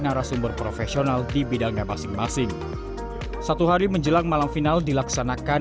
narasumber profesional di bidangnya masing masing satu hari menjelang malam final dilaksanakan